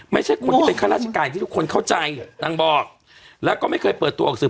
ไม่ใช่คนที่เป็นข้าราชการที่ทุกคนเข้าใจนางบอกแล้วก็ไม่เคยเปิดตัวออกสื่อ